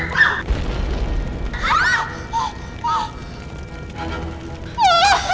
kamu pure pemanahlah